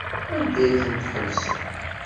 Anda ay ten-tḥebsem?